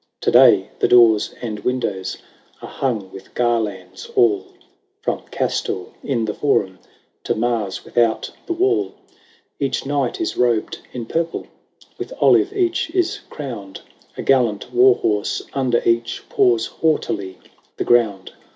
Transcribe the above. To day the doors and windows Are hung with garlands all, From Castor in the Forum, To Mars without the wall. 96 LAYS OF ANCIENT ROME. Each Knight is robed in purple, With olive each is crown'd ; A gallant war horse under each Paws haughtily the ground.